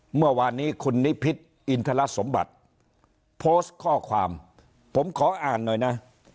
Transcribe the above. เมื่อวานนี้คุณนิพิษอินทรสมบัติโพสต์ข้อความผมขออ่านหน่อยนะ